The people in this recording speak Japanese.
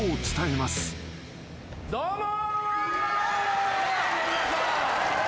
どうも！